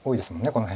この辺。